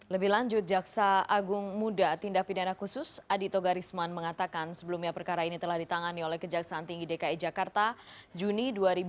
lebih lanjut jaksa agung muda tindak pidana khusus adito garisman mengatakan sebelumnya perkara ini telah ditangani oleh kejaksaan tinggi dki jakarta juni dua ribu dua puluh